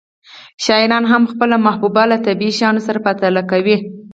شاعران هم خپله محبوبه له طبیعي شیانو سره پرتله کوي